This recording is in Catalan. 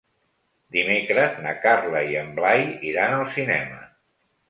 Dimecres na Carla i en Blai iran al cinema.